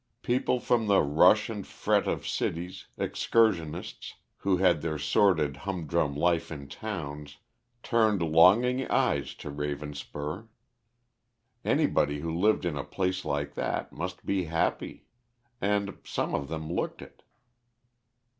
People from the rush and fret of cities, excursionists, who had their sordid, humdrum life in towns, turned longing eyes to Ravenspur. Anybody who lived in a place like that must be happy. And some of them looked it.